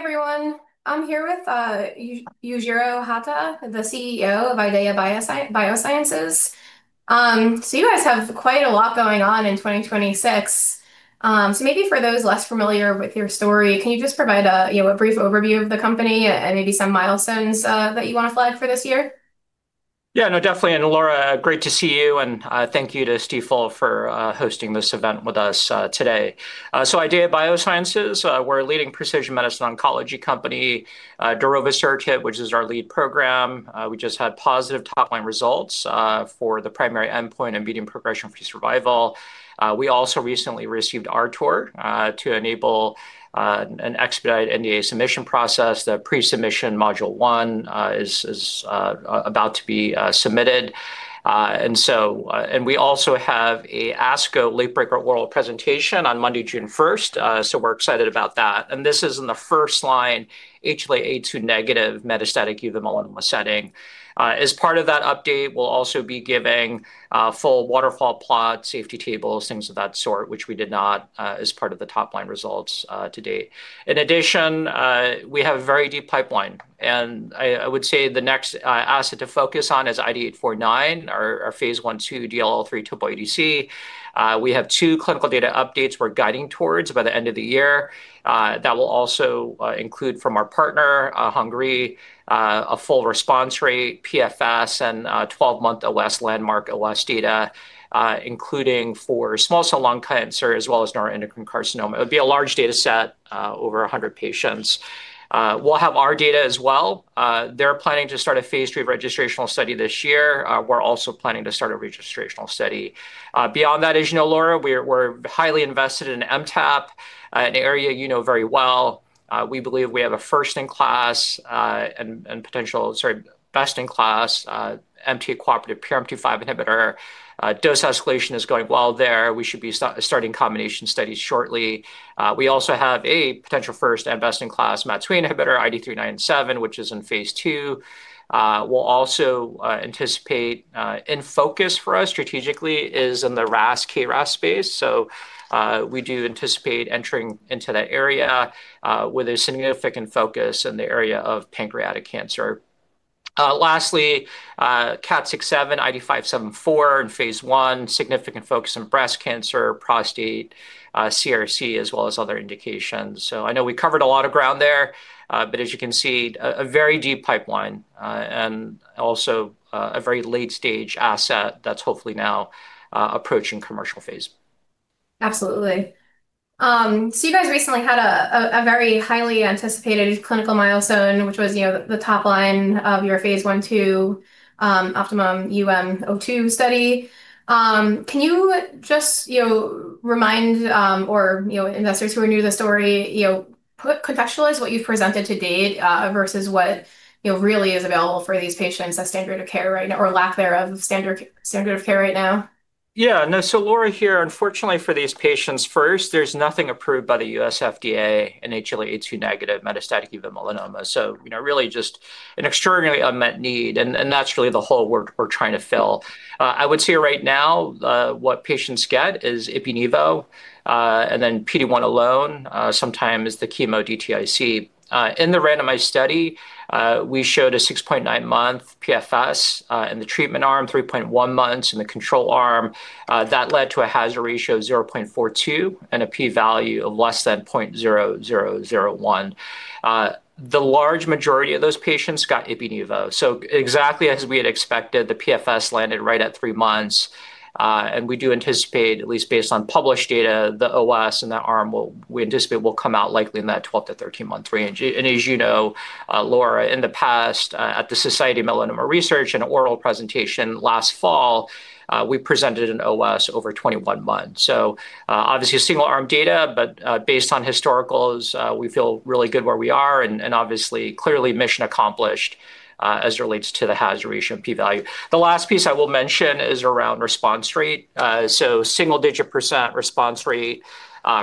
Hi, everyone. I'm here with Yujiro Hata, the CEO of IDEAYA Biosciences. You guys have quite a lot going on in 2026. Maybe for those less familiar with your story, can you just provide a, you know, a brief overview of the company and maybe some milestones that you want to flag for this year? Yeah, no, definitely. Laura, great to see you. Thank you to Stifel for hosting this event with us today. IDEAYA Biosciences, we're a leading precision medicine oncology company. darovasertib, which is our lead program, we just had positive top-line results for the primary endpoint and median progression-free survival. We also recently received RTOR to enable an expedite NDA submission process. The pre-submission module 1 is about to be submitted. We also have a ASCO late breaker oral presentation on Monday, June 1st. We're excited about that. This is in the first line HLA-A2 negative metastatic uveal melanoma setting. As part of that update, we'll also be giving full waterfall plot, safety tables, things of that sort, which we did not as part of the top-line results to date. In addition, we have a very deep pipeline, and I would say the next asset to focus on is IDE849, our phase I/II DLL3 Topo ADC. We have two clinical data updates we're guiding towards by the end of the year. That will also include from our partner, Hengrui Pharma, a full response rate, PFS, and 12-month OS landmark OS data, including for small cell lung cancer as well as neuroendocrine carcinoma. It would be a large data set, over 100 patients. We'll have our data as well. They're planning to start a phase III registrational study this year. We're also planning to start a registrational study. Beyond that, as you know, Laura, we're highly invested in MTAP, an area you know very well. We believe we have a first in class, best in class, MTA-cooperative PRMT5 inhibitor. Dose escalation is going well there. We should be starting combination studies shortly. We also have a potential first and best in class MAT2A inhibitor, IDE397, which is in phase II. We'll also anticipate in focus for us strategically is in the Ras KRAS space. We do anticipate entering into that area with a significant focus in the area of pancreatic cancer. Lastly, KAT6/7, IDE574 in phase I, significant focus on breast cancer, prostate, CRC, as well as other indications. I know we covered a lot of ground there, as you can see, a very deep pipeline, and also, a very late-stage asset that's hopefully now, approaching commercial phase. Absolutely. You guys recently had a very highly anticipated clinical milestone, which was, you know, the top line of your phase I/II, OptimUM-02 study. Can you just, you know, remind, or, you know, investors who are new to the story, you know, contextualize what you've presented to date, versus what, you know, really is available for these patients as standard of care right now, or lack thereof standard of care right now? Laura, here, unfortunately for these patients, first, there's nothing approved by the U.S. FDA in HLA-A2 negative metastatic uveal melanoma. You know, really just an extraordinary unmet need, and that's really the hole we're trying to fill. I would say right now, what patients get is ipi-Nivo, and then PD-1 alone, sometimes the chemo DTIC. In the randomized study, we showed a 6.9-month PFS in the treatment arm, 3.1 months in the control arm. That led to a hazard ratio of 0.42 and a P value of less than 0.0001. The large majority of those patients got ipi-Nivo. Exactly as we had expected, the PFS landed right at three months. We do anticipate, at least based on published data, the OS in that arm we anticipate will come out likely in that 12-13-month range. As you know, Laura, in the past, at the Society for Melanoma Research in an oral presentation last fall, we presented an OS over 21 months. Obviously a single arm data, but, based on historicals, we feel really good where we are and, obviously, clearly mission accomplished, as it relates to the hazard ratio and P value. The last piece I will mention is around response rate. Single-digit percent response rate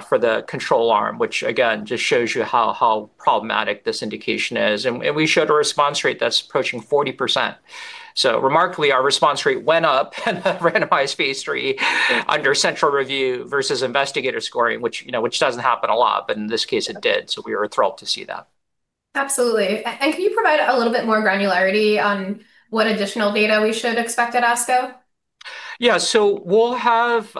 for the control arm, which again, just shows you how problematic this indication is. We showed a response rate that's approaching 40%. Remarkably, our response rate went up in the randomized phase III under central review versus investigator scoring, which, you know, which doesn't happen a lot, but in this case it did. We were thrilled to see that. Absolutely. Can you provide a little bit more granularity on what additional data we should expect at ASCO? We'll have,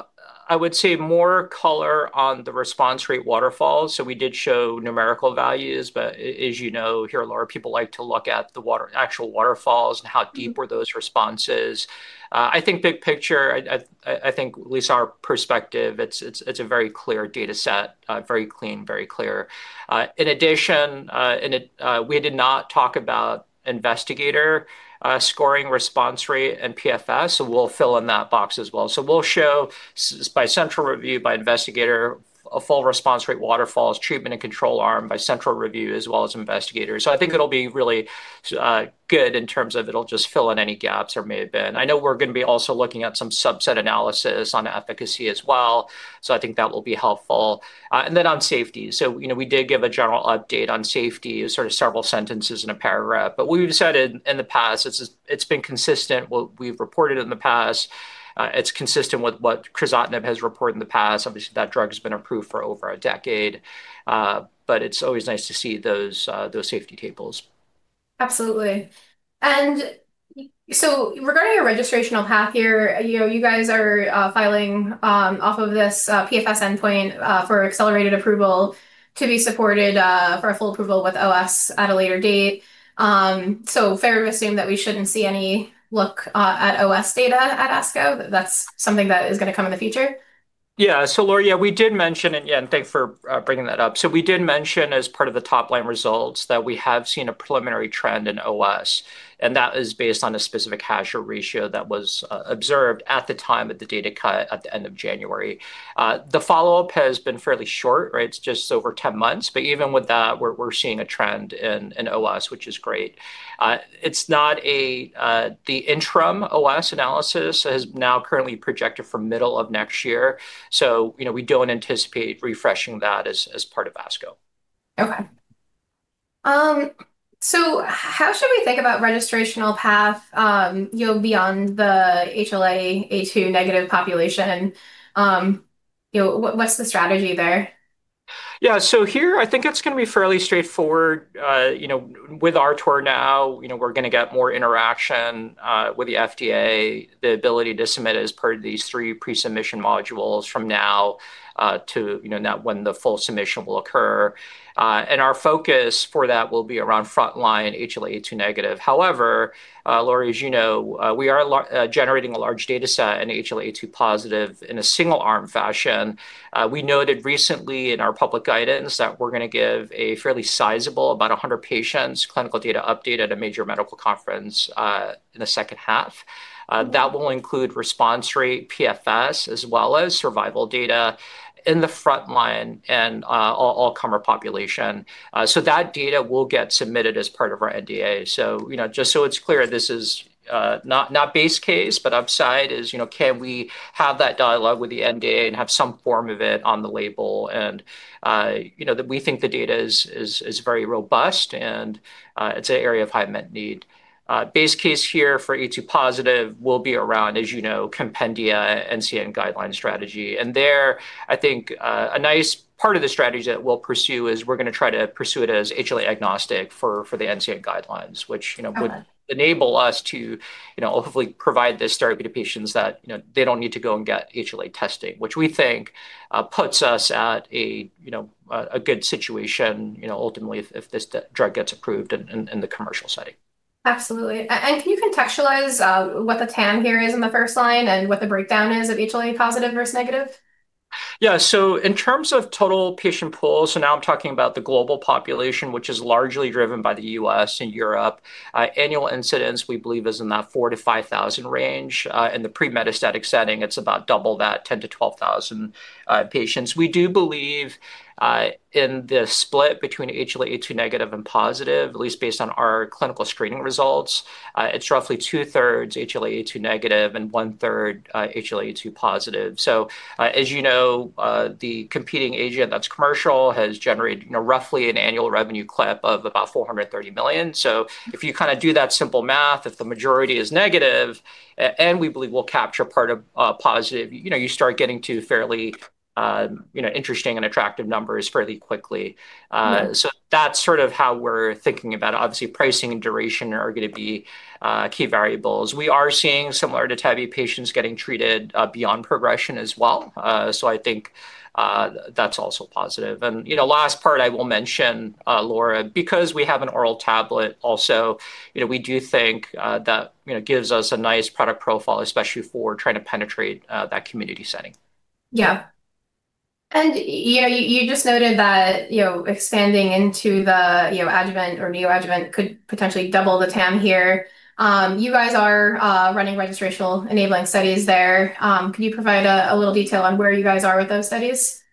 I would say, more color on the response rate waterfalls. We did show numerical values, but as you know, hear a lot of people like to look at the water actual waterfalls and how deep were those responses. I think big picture, I think at least our perspective, it's a very clear data set. Very clean, very clear. In addition, we did not talk about investigator scoring response rate and PFS, we'll fill in that box as well. We'll show by central review, by investigator, a full response rate waterfalls, treatment and control arm by central review, as well as investigators. I think it'll be really good in terms of it'll just fill in any gaps there may have been. I know we're gonna be also looking at some subset analysis on efficacy as well, so I think that will be helpful. Then on safety. You know, we did give a general update on safety, sort of several sentences in a paragraph. We've said in the past, it's been consistent. We, we've reported it in the past. It's consistent with what crizotinib has reported in the past. Obviously, that drug has been approved for over a decade. It's always nice to see those safety tables. Absolutely. Regarding your registrational path here, you know, you guys are filing off of this PFS endpoint for accelerated approval to be supported for a full approval with OS at a later date. Fair to assume that we shouldn't see any look at OS data at ASCO, that's something that is gonna come in the future? Laura, we did mention, and thank you for bringing that up. We did mention as part of the top-line results that we have seen a preliminary trend in OS, and that is based on a specific hazard ratio that was observed at the time of the data cut at the end of January. The follow-up has been fairly short, right? It's just over 10 months. Even with that, we're seeing a trend in OS, which is great. The interim OS analysis has now currently projected for middle of next year, you know, we don't anticipate refreshing that as part of ASCO. Okay. How should we think about registrational path, you know, beyond the HLA-A2 negative population? You know, what's the strategy there? Yeah. Here I think it's gonna be fairly straightforward. You know, with RTOR now, you know, we're gonna get more interaction with the FDA, the ability to submit as per these three pre-submission modules from now to, you know, when the full submission will occur. Our focus for that will be around frontline HLA-A2 negative. Laura, as you know, we are generating a large dataset in HLA-A2 positive in a single arm fashion. We noted recently in our public guidance that we're gonna give a fairly sizable, about 100 patients, clinical data update at a major medical conference in the H2. That will include response rate PFS as well as survival data in the frontline and all-comer population. That data will get submitted as part of our NDA. You know, just so it's clear, this is not base case, but upside is, you know, can we have that dialogue with the NDA and have some form of it on the label. You know, that we think the data is very robust and it's an area of high met need. Base case here for A2 positive will be around, as you know, compendia NCCN guideline strategy. There, I think, a nice part of the strategy that we'll pursue is we're gonna try to pursue it as HLA agnostic for the NCCN guidelines. Got it. Which would enable us to, you know, hopefully provide this therapy to patients that, you know, they don't need to go and get HLA testing. Which we think, puts us at a, you know, a good situation, you know, ultimately if this drug gets approved in the commercial setting. Absolutely. Can you contextualize what the TAM here is in the first line and what the breakdown is of HLA positive versus negative? Yeah. In terms of total patient pool, now I'm talking about the global population, which is largely driven by the U.S. and Europe. Annual incidents, we believe is in that 4,000-5,000 range. In the pre-metastatic setting it's about double that, 10,000-12,000 patients. We do believe, in the split between HLA-A2 negative and positive, at least based on our clinical screening results. It's roughly 2/3 HLA-A2 negative and 1/3 HLA-A2 positive. As you know, the competing agent that's commercial has generated, you know, roughly an annual revenue clip of about $430 million. If you kind of do that simple math, if the majority is negative, and we believe we'll capture part of, positive, you know, you start getting to fairly, you know, interesting and attractive numbers fairly quickly. That's sort of how we're thinking about it. Obviously, pricing and duration are gonna be key variables. We are seeing similar to tebentafusp patients getting treated beyond progression as well. I think that's also positive. You know, last part I will mention, Laura, because we have an oral tablet also, you know, we do think that, you know, gives us a nice product profile, especially for trying to penetrate that community setting. Yeah. You know, you just noted that, you know, expanding into the, you know, adjuvant or neoadjuvant could potentially double the TAM here. You guys are running registrational enabling studies there. Can you provide a little detail on where you guys are with those studies?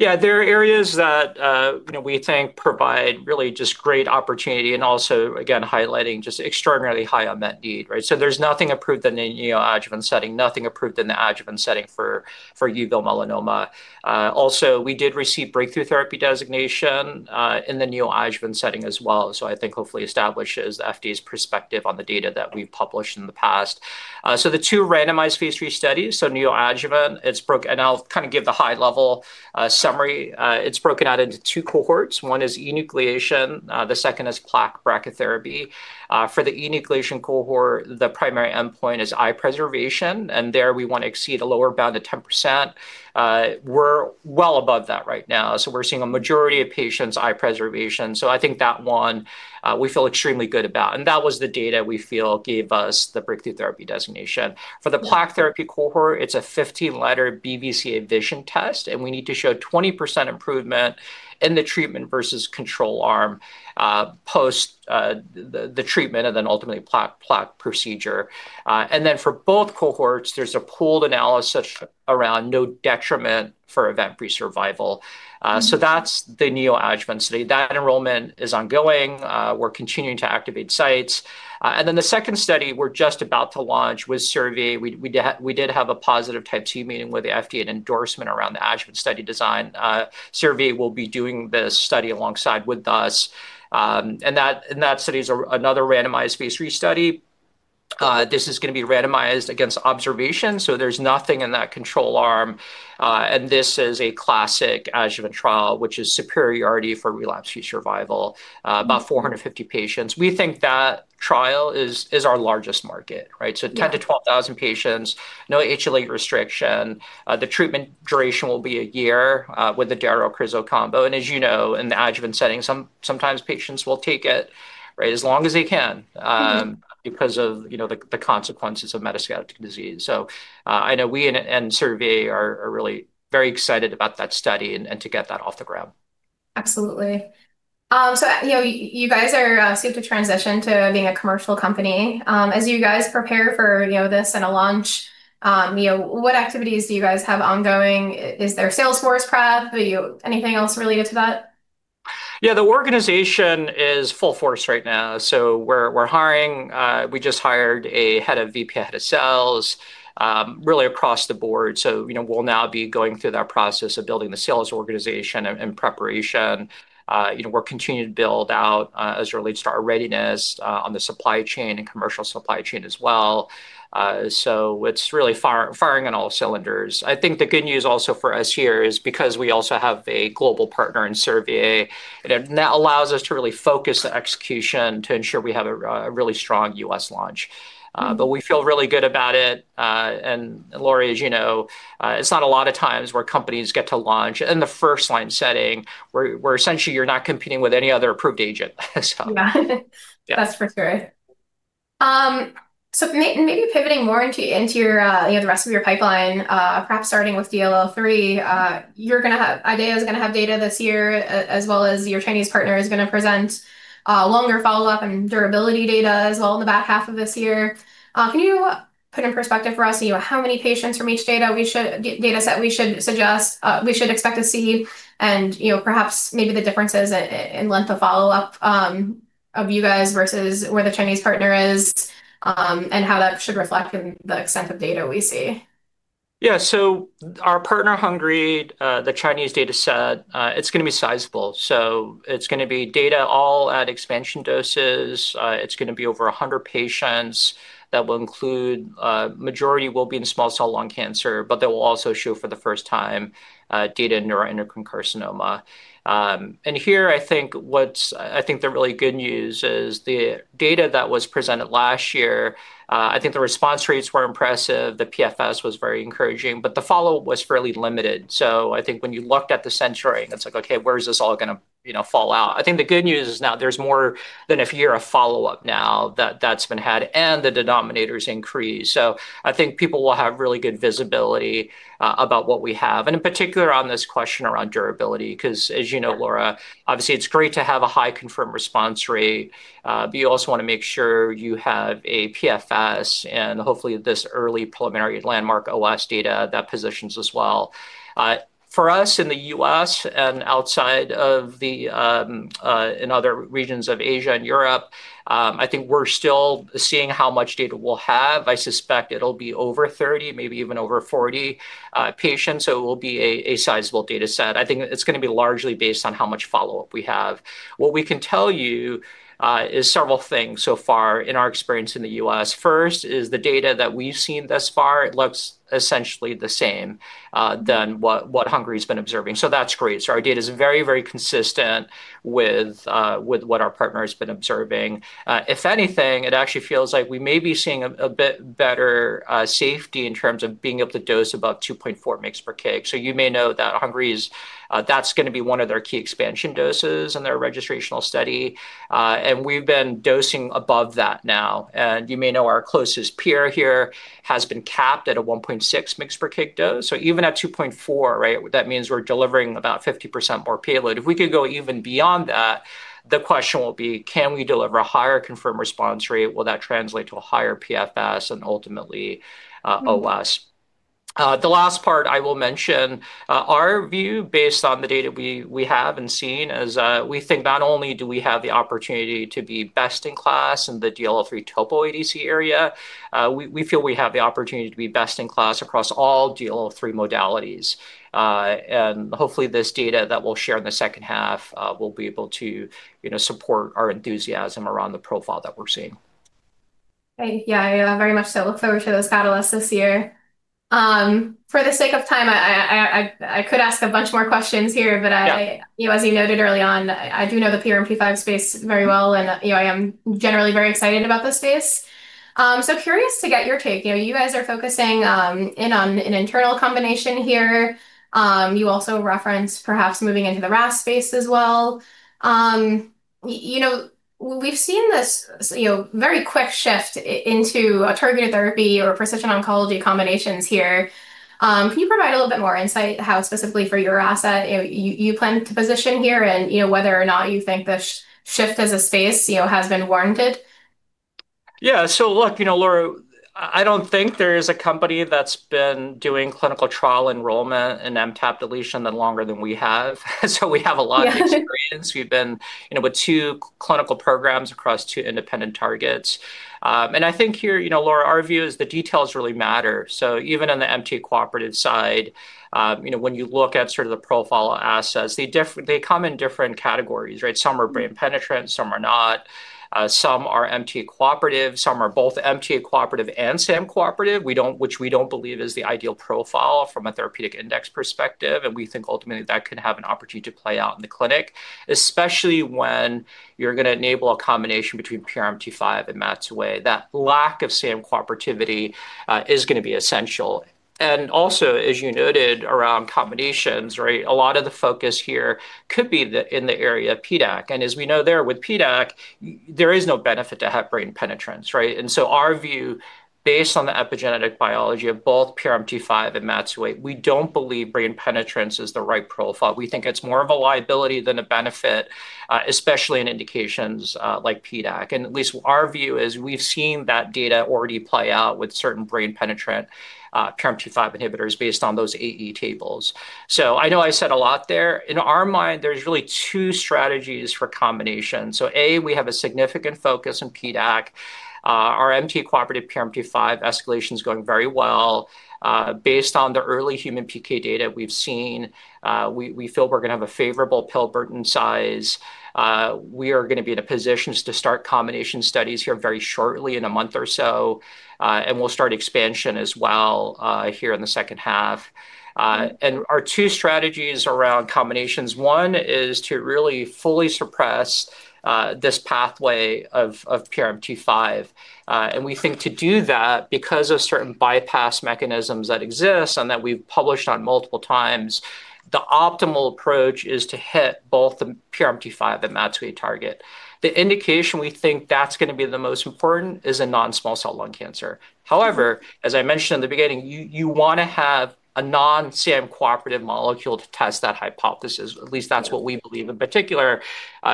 There are areas that, you know, we think provide really just great opportunity and also, again, highlighting just extraordinarily high unmet need. There's nothing approved in the neoadjuvant setting, nothing approved in the adjuvant setting for uveal melanoma. Also, we did receive breakthrough therapy designation in the neoadjuvant setting as well. I think hopefully establishes FDA's perspective on the data that we've published in the past. The two randomized Phase III studies. Neoadjuvant, I'll kind of give the high level summary. It's broken out into two cohorts. One is enucleation, the second is plaque brachytherapy. For the enucleation cohort, the primary endpoint is eye preservation, and there we want to exceed a lower bound of 10%. We're well above that right now, so we're seeing a majority of patients eye preservation. I think that one, we feel extremely good about, and that was the data we feel gave us the Breakthrough Therapy Designation. Yeah. For the plaque therapy cohort, it's a 15-letter BCVA vision test, and we need to show 20% improvement in the treatment versus control arm, post the treatment and then ultimately plaque procedure. For both cohorts, there's a pooled analysis around no detriment for event-free survival. That's the neoadjuvant study. That enrollment is ongoing. We're continuing to activate sites. The second study we're just about to launch with Servier. We did have a positive Type B meeting with the FDA and endorsement around the adjuvant study design. Servier will be doing this study alongside with us. That study is another randomized Phase III study. This is going to be randomized against observation, there's nothing in that control arm. This is a classic adjuvant trial, which is superiority for relapse-free survival, about 450 patients. We think that trial is our largest market, right? 10,000-12,000 patients, no HLA restriction. The treatment duration will be one year with the daro-crizo combo. As you know, in the adjuvant setting, sometimes patients will take it as long as they can. Because of, you know, the consequences of metastatic disease. I know we and Servier are really very excited about that study and to get that off the ground. Absolutely. You know, you guys are set to transition to being a commercial company. As you guys prepare for, you know, this and a launch, you know, what activities do you guys have ongoing? Is there salesforce prep? Are you anything else related to that? The organization is full force right now, so we're hiring. We just hired a head of VP, head of sales, really across the board. You know, we'll now be going through that process of building the sales organization and preparation. You know, we're continuing to build out as it relates to our readiness on the supply chain and commercial supply chain as well. It's really firing on all cylinders. I think the good news also for us here is because we also have a global partner in Servier, that allows us to really focus the execution to ensure we have a really strong U.S. launch. We feel really good about it. Laura, as you know, it's not a lot of times where companies get to launch in the first-line setting where essentially you're not competing with any other approved agent. Yeah. Yeah. That's for sure. Maybe pivoting more into your, you know, the rest of your pipeline, perhaps starting with DLL3. IDEAYA's gonna have data this year, as well as your Chinese partner is gonna present longer follow-up and durability data as well in the back half of this year. Can you put in perspective for us, you know, how many patients from each data set we should expect to see, and, you know, perhaps maybe the differences in length of follow-up of you guys versus where the Chinese partner is, and how that should reflect in the extent of data we see? Our partner, Hengrui Pharma, the Chinese data set, it's gonna be sizable. It's gonna be data all at expansion doses. It's gonna be over 100 patients. That will include, majority will be in small cell lung cancer, but they will also show for the first time, data neuroendocrine carcinoma. Here, I think what's, I think the really good news is the data that was presented last year, I think the response rates were impressive. The PFS was very encouraging, but the follow-up was fairly limited. I think when you looked at the censoring, and it's like, okay, where is this all gonna, you know, fall out? I think the good news is now there's more than one year of follow-up now that that's been had, and the denominator's increased. I think people will have really good visibility about what we have. In particular on this question around durability, 'cause as you know, Laura, obviously it's great to have a high confirmed response rate, but you also wanna make sure you have a PFS and hopefully this early preliminary landmark OS data that positions as well. For us in the U.S. and outside of the, in other regions of Asia and Europe, I think we're still seeing how much data we'll have. I suspect it'll be over 30 patients, maybe even over 40 patients, so it will be a sizable data set. I think it's gonna be largely based on how much follow-up we have. What we can tell you is several things so far in our experience in the U.S. First is the data that we've seen thus far, it looks essentially the same, than what Hengrui Pharma's been observing. That's great. Our data's very, very consistent with what our partner's been observing. If anything, it actually feels like we may be seeing a bit better safety in terms of being able to dose above 2.4 mgs per kg. You may know that Hengrui Pharma's, that's gonna be one of their key expansion doses in their registrational study. We've been dosing above that now. You may know our closest peer here has been capped at a 1.6 mgs per kg dose. Even at 2.4 mgs per kg, that means we're delivering about 50% more payload. If we could go even beyond that, the question will be, can we deliver a higher confirmed response rate? Will that translate to a higher PFS and ultimately, OS? The last part I will mention, our view based on the data we have and seen is, we think not only do we have the opportunity to be best in class in the DLL3 Topo ADC area, we feel we have the opportunity to be best in class across all DLL3 modalities. Hopefully this data that we'll share in the second half, will be able to, you know, support our enthusiasm around the profile that we're seeing. Thank you. I very much so look forward to those catalysts this year. For the sake of time, I could ask a bunch more questions here. Yeah You know, as you noted early on, I do know the PRMT5 space very well, and, you know, I am generally very excited about this space. Curious to get your take. You know, you guys are focusing in on an internal combination here. You also referenced perhaps moving into the RAS space as well. You know, we've seen this, you know, very quick shift into a targeted therapy or precision oncology combinations here. Can you provide a little bit more insight how specifically for your asset, you know, you plan to position here and, you know, whether or not you think the shift as a space, you know, has been warranted? Yeah. Look, you know, Laura, I don't think there is a company that's been doing clinical trial enrollment in MTAP deletion than longer than we have. We have a lot of. Yeah experience. We've been, you know, with two clinical programs across two independent targets. I think here, you know, Laura, our view is the details really matter. Even on the MTA-cooperative side, you know, when you look at sort of the profile assets, they come in different categories, right? Some are brain penetrant, some are not. Some are MTA-cooperative, some are both MTA-cooperative and SAM-cooperative. Which we don't believe is the ideal profile from a therapeutic index perspective, we think ultimately that can have an opportunity to play out in the clinic, especially when you're gonna enable a combination between PRMT5 and MAT2A. That lack of SAM cooperativity is gonna be essential. Also, as you noted around combinations, right? A lot of the focus here could be the, in the area of PDAC. As we know there with PDAC, there is no benefit to have brain penetrance, right? Our view based on the epigenetic biology of both PRMT5 and MAT2A, we don't believe brain penetrance is the right profile. We think it's more of a liability than a benefit, especially in indications, like PDAC. At least our view is we've seen that data already play out with certain brain penetrant PRMT5 inhibitors based on those AE tables. I know I said a lot there. In our mind, there's really two strategies for combination. A, we have a significant focus on PDAC. Our MTA-cooperative PRMT5 escalation's going very well. Based on the early human PK data we've seen, we feel we're gonna have a favorable pill burden size. We are gonna be in a position to start combination studies here very shortly in a month or so, and we'll start expansion as well, here in the second half. Our two strategies around combinations, one is to really fully suppress this pathway of PRMT5. We think to do that because of certain bypass mechanisms that exist and that we've published on multiple times, the optimal approach is to hit both the PRMT5 and MAT2A target. The indication we think that's gonna be the most important is a non-small cell lung cancer. However, as I mentioned in the beginning, you wanna have a non-SAM cooperative molecule to test that hypothesis. At least that's what we believe in particular,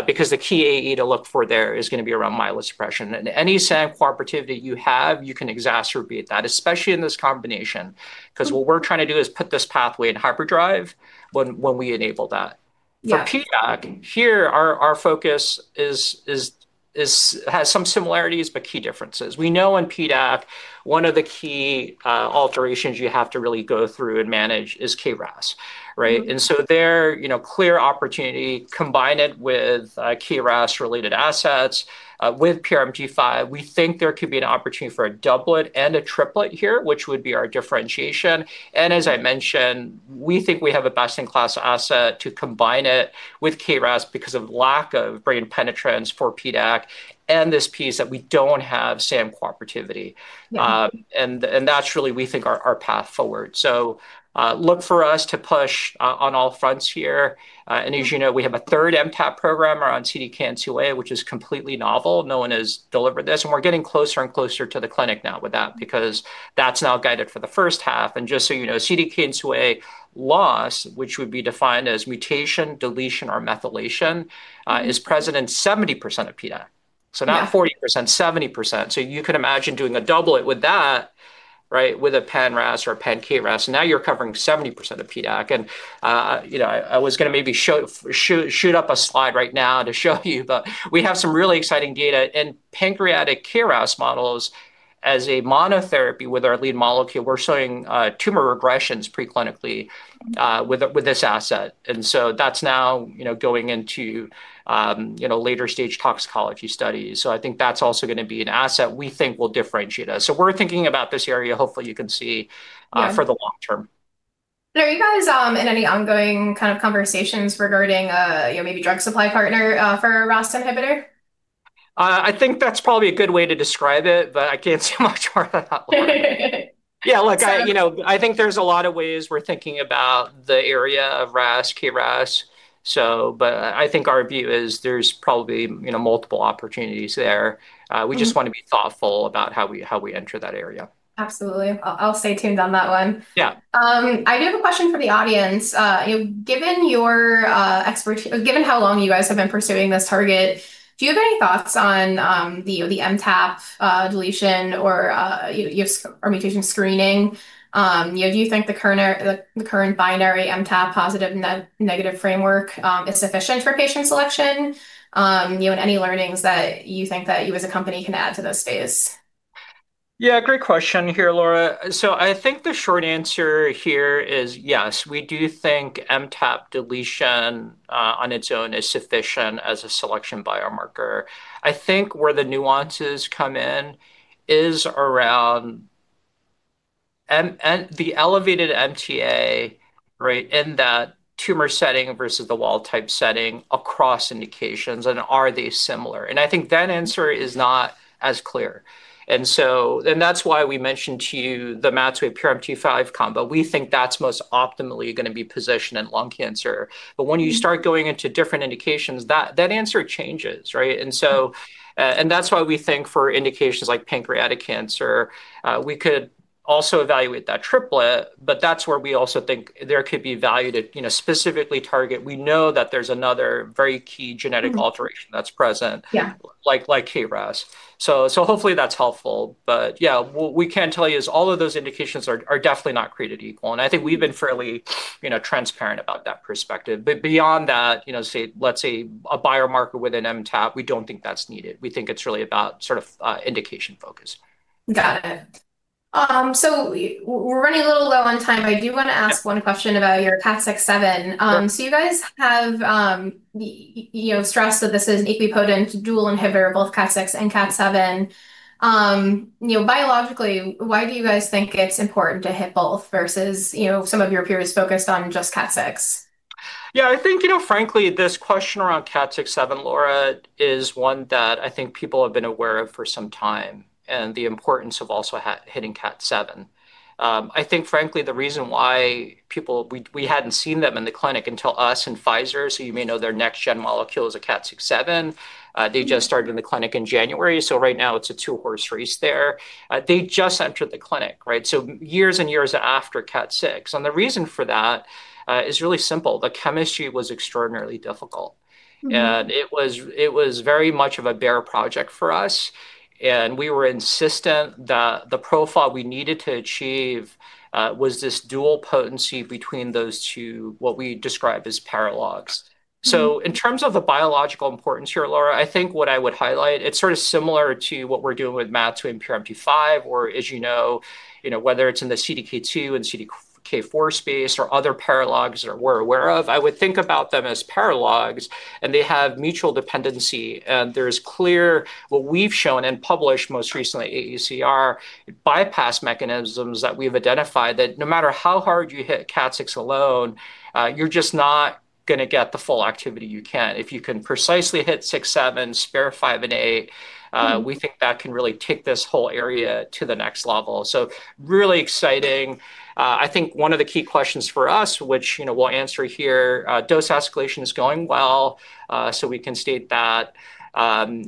because the key AE to look for there is gonna be around myelosuppression. Any SAM cooperativity you have, you can exacerbate that, especially in this combination, 'cause what we're trying to do is put this pathway in hyperdrive when we enable that. Yeah. For PDAC, here our focus has some similarities, but key differences. We know in PDAC, one of the key alterations you have to really go through and manage is KRAS, right? There, you know, clear opportunity, combine it with KRAS-related assets, with PRMT5, we think there could be an opportunity for a doublet and a triplet here, which would be our differentiation. As I mentioned, we think we have a best-in-class asset to combine it with KRAS because of lack of brain penetrance for PDAC and this piece that we don't have SAM cooperativity. Yeah. That's really, we think, our path forward. Look for us to push on all fronts here. As you know, we have a third MTAP program around CDKN2A, which is completely novel. No one has delivered this, we're getting closer and closer to the clinic now with that because that's now guided for the H1. Just so you know, CDKN2A loss, which would be defined as mutation, deletion or methylation, is present in 70% of PDAC. Yeah. Not 40%, 70%. You could imagine doing a doublet with that, right, with a pan-RAS or a pan-KRAS, and now you're covering 70% of PDAC. You know, I was gonna maybe show, shoot up a slide right now to show you, but we have some really exciting data. In pancreatic KRAS models as a monotherapy with our lead molecule, we're showing tumor regressions pre-clinically with this asset. That's now, you know, going into, you know, later stage toxicology studies. I think that's also gonna be an asset we think will differentiate us. We're thinking about this area, hopefully you can see- Yeah -for the long term. Are you guys, in any ongoing kind of conversations regarding, you know, maybe drug supply partner, for a RAS inhibitor? I think that's probably a good way to describe it, but I can't say much more than that, Laura. So- You know, I think there's a lot of ways we're thinking about the area of RAS, KRAS. I think our view is there's probably, you know, multiple opportunities there we just wanna be thoughtful about how we enter that area. Absolutely. I'll stay tuned on that one. Yeah. I do have a question for the audience. You know, given how long you guys have been pursuing this target, do you have any thoughts on the MTAP deletion or you know or mutation screening? You know, do you think the current the current binary MTAP positive negative framework is sufficient for patient selection? You know, any learnings that you think that you as a company can add to those phase? Great question here, Laura. I think the short answer here is yes, we do think MTAP deletion on its own is sufficient as a selection biomarker. I think where the nuances come in is around the elevated MTA, right, in that tumor setting versus the wild-type setting across indications, and are they similar? I think that answer is not as clear. That's why we mentioned to you the MAT2A PRMT5 combo. We think that's most optimally gonna be positioned in lung cancer. When you start going into different indications, that answer changes, right? That's why we think for indications like pancreatic cancer, we could also evaluate that triplet, but that's where we also think there could be value to, you know, specifically target. We know that there's another very key genetic alteration that's present. Yeah. Like KRAS. Hopefully that's helpful. Yeah, what we can tell you is all of those indications are definitely not created equal. I think we've been fairly, you know, transparent about that perspective. Beyond that, you know, let's say a biomarker with an MTAP, we don't think that's needed. We think it's really about sort of indication focus. Got it. We're running a little low on time. I do wanna ask one question about your KAT6/7. Sure You guys have, you know, stressed that this is an equipotent dual inhibitor of both KAT6 and KAT7. You know, biologically, why do you guys think it's important to hit both versus, you know, some of your peers focused on just KAT6? Yeah, I think, you know, frankly, this question around KAT6/7, Laura, is one that I think people have been aware of for some time, and the importance of also hitting KAT7. I think frankly, the reason why people, we hadn't seen them in the clinic until us and Pfizer, you may know their next gen molecule is a KAT6/7. They just started in the clinic in January, right now it's a two-horse race there. They just entered the clinic, right? Years and years after KAT6. The reason for that is really simple. The chemistry was extraordinarily difficult. It was very much of a bear project for us, and we were insistent that the profile we needed to achieve, was this dual potency between those two, what we describe as paralogs. In terms of the biological importance here, Laura, I think what I would highlight, it's sort of similar to what we're doing with MAT2A between PRMT5, or as you know, whether it's in the CDK2 and CDK4 space other paralogs that we're aware of. I would think about them as paralogs, and they have mutual dependency. There's what we've shown and published most recently at AACR, bypass mechanisms that we've identified that no matter how hard you hit KAT6 alone, you're just not gonna get the full activity you can. If you can precisely hit KAT6, KAT7, spare 5 and 8, we think that can really take this whole area to the next level. Really exciting. I think one of the key questions for us, which, you know, we'll answer here, dose escalation is going well, so we can state that,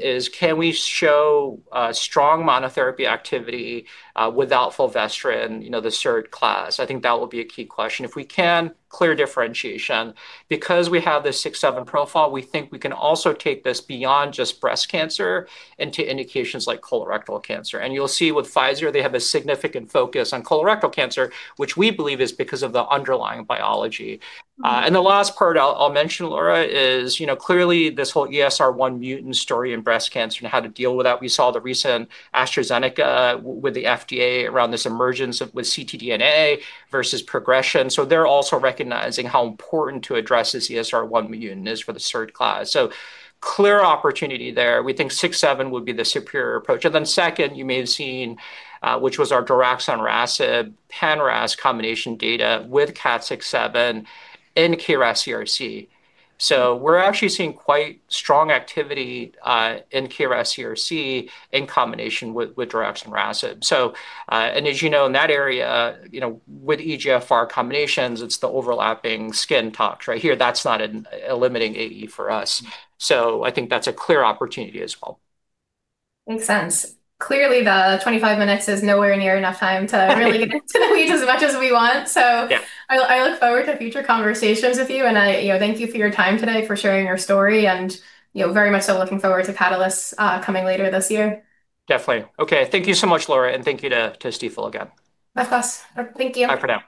is can we show strong monotherapy activity without fulvestrant, you know, the SERDs class? I think that will be a key question. If we can, clear differentiation. Because we have the 6/7 profile, we think we can also take this beyond just breast cancer into indications like colorectal cancer. You'll see with Pfizer, they have a significant focus on colorectal cancer, which we believe is because of the underlying biology. The last part I'll mention, Laura, is, you know, clearly this whole ESR1 mutant story in breast cancer and how to deal with that. We saw the recent AstraZeneca with the FDA around this emergence with ctDNA versus progression. They're also recognizing how important to address this ESR1 mutant is for the SERDs class. Clear opportunity there. We think KAT6/7 would be the superior approach. Second, you may have seen, which was our deraxanrasib pan-RAS combination data with KAT6/7 in KRAS CRC. We're actually seeing quite strong activity in KRAS CRC in combination with deraxanrasib. As you know, in that area, you know, with EGFR combinations, it's the overlapping skin toxicity. Right here, that's not a limiting AE for us. I think that's a clear opportunity as well. Makes sense. Clearly, the 25 minutes is nowhere near enough time to really get into the weeds as much as we want. Yeah. I look forward to future conversations with you, and I, you know, thank you for your time today, for sharing your story, and, you know, very much so looking forward to Catalyst coming later this year. Definitely. Okay, thank you so much, Laura, and thank you to Stifel again. Of course. Thank you. Bye for now.